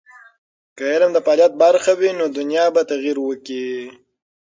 که علم د فعالیت برخه وي، نو دنیا به تغیر وکړي.